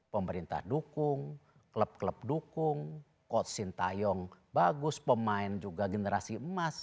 pemerintah dukung klub klub dukung coach sintayong bagus pemain juga generasi emas